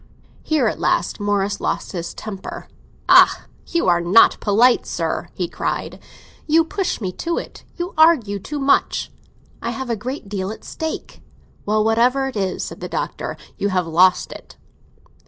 Here at last Morris lost his temper. "Ah, you are not polite, sir!" he cried. "You push me to it—you argue too much." "I have a great deal at stake." "Well, whatever it is," said the Doctor, "you have lost it!"